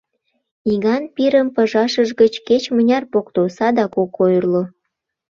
Иган пирым пыжашыж гыч кеч-мыняр покто, садак ок ойырло.